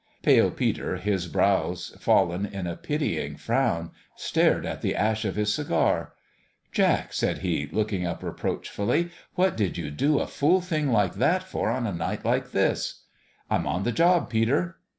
Pale Peter, his brows fallen in a pitying frown, stared at the ash of his cigar. " Jack," said he, looking up reproachfully, " what did you do a fool thing like that for on a night like this ?"" I'm on the job, Peter."